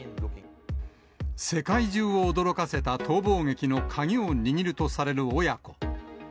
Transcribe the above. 世界中を驚かせた逃亡劇の鍵を握るとされる親子。